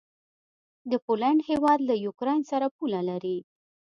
د پولينډ هيواد له یوکراین سره پوله لري.